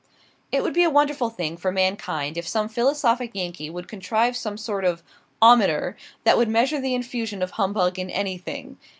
It would be a wonderful thing for mankind if some philosophic Yankee would contrive some kind of "ometer" that would measure the infusion of humbug in anything.